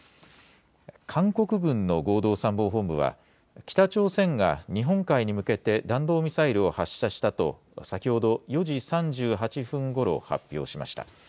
韓国軍の合同参謀本部は、北朝鮮が日本海に向けて弾道ミサイルを発射したと、先ほど４時３８分ごろ、発表しました。